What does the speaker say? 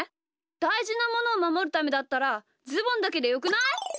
だいじなものをまもるためだったらズボンだけでよくない？